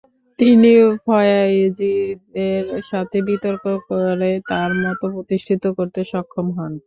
তিনি ফরায়েজিদের সাথে বিতর্ক করে তার মত প্রতিষ্ঠিত করতে সক্ষম হন।